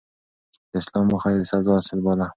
د اصلاح موخه يې د سزا اصل باله.